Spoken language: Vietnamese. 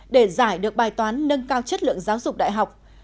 để giải được bài toán nâng cao chất lượng giáo dục đại học